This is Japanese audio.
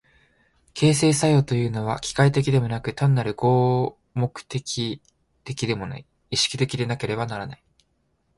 形成作用というのは機械的でもなく単なる合目的的でもない、意識的でなければならない。